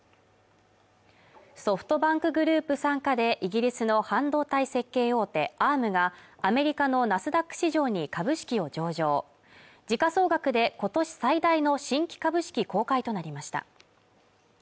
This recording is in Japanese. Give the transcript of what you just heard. ソフトバンクグループ傘下でイギリスの半導体設計大手アームがアメリカのナスダック市場に株式を上場時価総額で今年最大の新規株式公開となりました